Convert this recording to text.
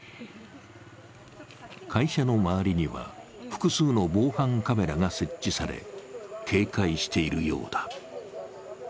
会社の周りには複数の防犯カメラが設置され、警戒しているようだ。